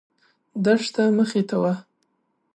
دښته مخې ته وه.